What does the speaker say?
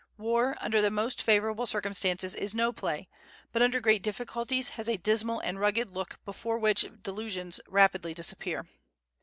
War, under the most favorable circumstances, is no play; but under great difficulties, has a dismal and rugged look before which delusions rapidly disappear.